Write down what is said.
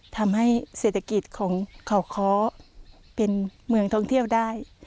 ทำให้เศรษฐกิจของเขาค้อเป็นเมืองท่องเที่ยวได้